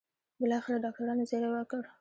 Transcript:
بالاخره ډاکټرانو زېری وکړ.